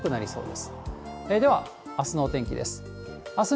では、あすのお天気です。